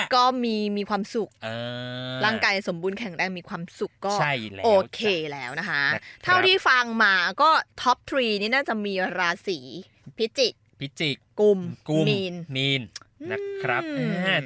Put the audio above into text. ก็โอเคแล้วนะคะเท่าที่ฟังมาก็ท็อป๓นี้น่าจะมีราศีพิจิกกุมมีนนะครับ